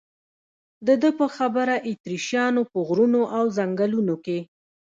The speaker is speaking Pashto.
د ده په خبره اتریشیانو په غرونو او ځنګلونو کې.